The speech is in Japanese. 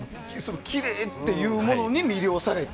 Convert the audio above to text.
きれいっていうものに魅了されて。